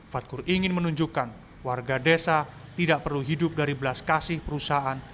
fadkur ingin menunjukkan warga desa tidak perlu hidup dari belas kasih perusahaan